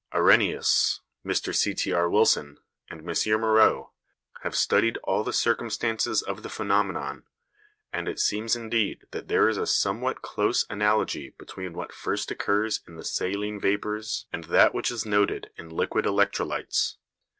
Arrhenius, Mr C.T.R. Wilson, and M. Moreau, have studied all the circumstances of the phenomenon; and it seems indeed that there is a somewhat close analogy between what first occurs in the saline vapours and that which is noted in liquid electrolytes.